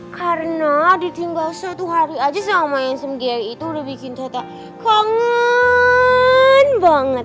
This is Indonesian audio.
karena ditinggal satu hari aja sama my handsome gary itu udah bikin tata kangen banget